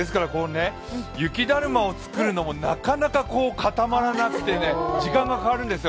雪だるまを作るのも、なかなかかたまらなくて時間がかかるんですよ。